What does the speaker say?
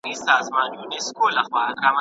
که پوه شو، نو فکر وکړو چې څه رنګ عمل وکړو.